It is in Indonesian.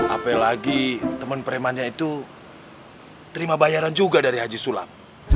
apalagi temen preman nya itu terima bayaran juga dari haji sulam